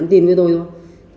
nhắn tin với tôi thôi